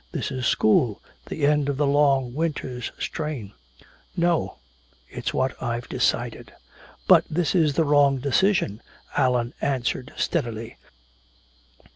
This is school, the end of the long winter's strain." "No, it's what I've decided!" "But this is the wrong decision," Allan answered steadily.